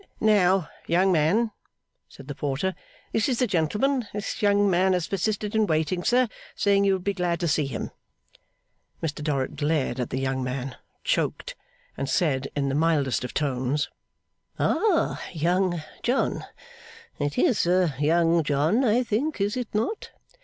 'Now, young man,' said the porter. 'This is the gentleman. This young man has persisted in waiting, sir, saying you would be glad to see him.' Mr Dorrit glared on the young man, choked, and said, in the mildest of tones, 'Ah! Young John! It is Young John, I think; is it not?